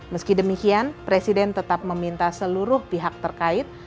meski demikian presiden tetap meminta seluruh pihak terkait